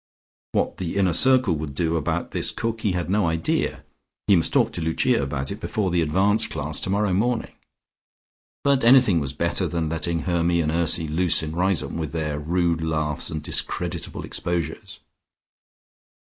What the inner circle would do about this cook he had no idea; he must talk to Lucia about it, before the advanced class tomorrow morning. But anything was better than letting Hermy and Ursy loose in Riseholme with their rude laughs and discreditable exposures.